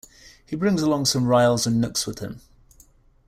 He brings along some Ryls and Knooks with him.